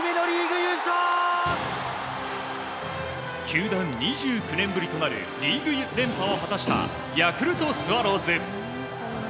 球団２９年ぶりとなるリーグ連覇を果たしたヤクルトスワローズ。